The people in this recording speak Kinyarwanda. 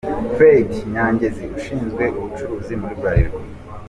Freddy Nyangezi ushinzwe ubucuruzi muri Bralirwa.